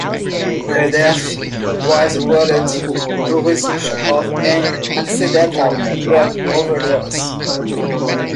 Her death was ruled the result of an accidental drug overdose.